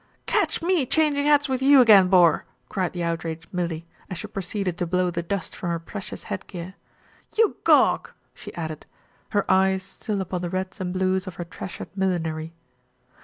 "Catch me changin' hats wi' you again, bor," cried the outraged Millie, as she proceeded to blow the dust from her precious headgear. "You gowk !" she added, her eyes still upon the reds and blues of her treasured millinery.